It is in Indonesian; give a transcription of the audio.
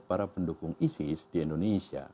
para pendukung isis di indonesia